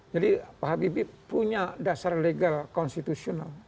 jadi pak habibie punya dasar legal konstitusional